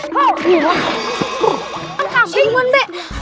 siapa yang kasih menda